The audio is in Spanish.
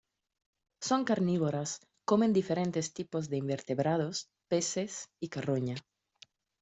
Son carnívoras, comen diferentes tipos de invertebrados, peces y carroña.